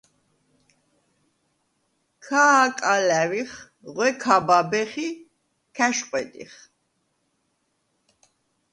ქ’აკალა̈ვიხ, ღვე ქ’აბაბეხ ი ქ’ა̈შყვედიხ.